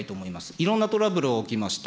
いろんなトラブル起きました。